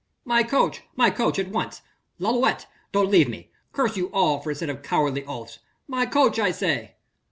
"My coach! my coach at once.... Lalouët, don't leave me.... Curse you all for a set of cowardly oafs.... My coach I say...."